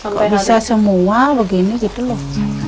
kok bisa semua begini gitu loh